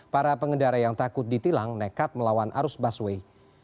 para pengendara yang takut ditilang nekat melawan arus busway